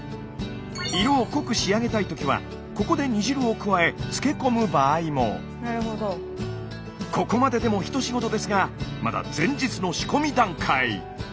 色を濃く仕上げたいときはここで煮汁を加えここまででも一仕事ですがまだ前日の仕込み段階。